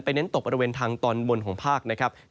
ไปเน้นตกบริเวณทางตอนบนของภาค